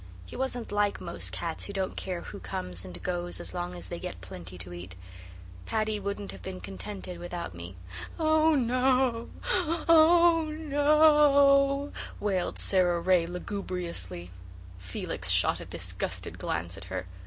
He wasn't like most cats who don't care who comes and goes as long as they get plenty to eat. Paddy wouldn't have been contented without me." "Oh, no o o, oh, no o o," wailed Sara Ray lugubriously. Felix shot a disgusted glance at her.